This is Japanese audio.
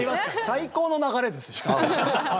最高の流れですか？